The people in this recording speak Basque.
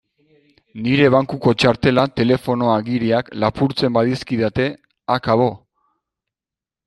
Nire bankuko txartela, telefonoa, agiriak... lapurtzen badizkidate, akabo!